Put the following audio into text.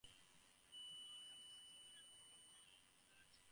Belafonte's multi-faceted career also includes moderating and voiceovers.